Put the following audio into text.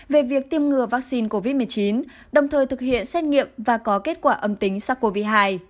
về việc tiêm ngừa vaccine covid một mươi chín đồng thời thực hiện xét nghiệm và có kết quả âm tính sars cov hai